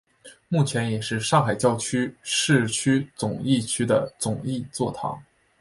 目前也是上海教区市区总铎区的总铎座堂。